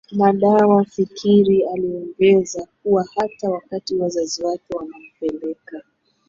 madawaFikiri aliongeza kuwa hata wakati wazazi wake wanampeleka